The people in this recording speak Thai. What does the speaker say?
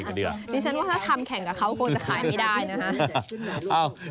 อันนี้ฉันว่าถ้าทำแข่งกับเขาคงจะขายไม่ได้นะฮะ